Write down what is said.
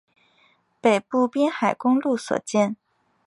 北部滨海公路所见